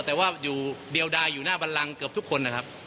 แต่ว่าอยู่เดียวดายอยู่หน้าบันลังเกือบทุกคนนะครับ